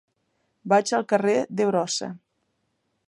Vaig al carrer de Brossa.